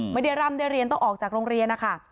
ไม่ได้ร่ำได้เรียนต้องออกจากโรงเรียนนะคะ